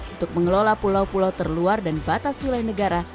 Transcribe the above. untuk mengelola pulau pulau terluar dan batas wilayah negara